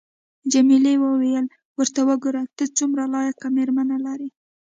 جميلې وويل:: ورته وګوره، ته څومره لایقه مېرمن لرې.